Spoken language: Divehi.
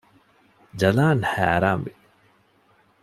ޖަލާން ހައިރާންވި